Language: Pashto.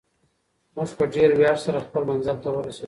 موږ په ډېر ویاړ سره خپل منزل ته ورسېدو.